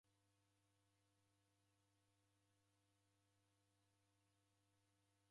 Aw'a w'andu w'alegha ghaja w'aelesherwa aja w'ughangenyi.